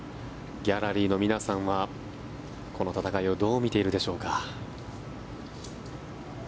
ギャラリーの皆さんはこの戦いをどう見ているでしょうか。